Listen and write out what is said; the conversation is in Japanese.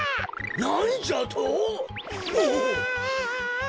なんじゃと！？